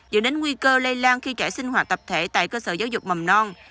dựa đến nguy cơ lây lan khi trẻ sinh hoạt tập thể tại cơ sở giáo dục mầm non